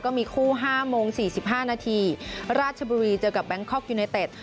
ก็มีคู่๕โมง๔๕นาทีราชบุรีเจอกับแบงคอกยูเนเต็ด